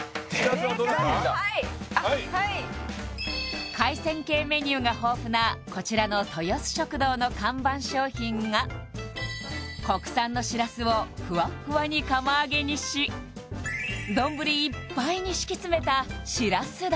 デカいはいあっはい海鮮系メニューが豊富なこちらの豊洲食堂の看板商品が国産のしらすをふわっふわに釜揚げにしどんぶりいっぱいに敷き詰めたしらす丼